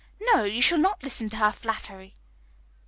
No, you shall not listen to her flattery."